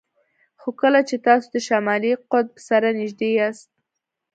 خو کله چې تاسو د شمالي قطب سره نږدې یاست